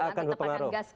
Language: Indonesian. gak akan berpengaruh